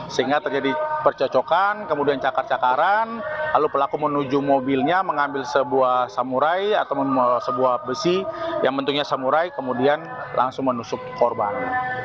sehingga terjadi percocokan kemudian cakar cakaran lalu pelaku menuju mobilnya mengambil sebuah samurai atau sebuah besi yang bentuknya samurai kemudian langsung menusuk korban